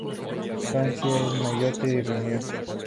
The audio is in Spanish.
Francia: En Mayotte y Reunión.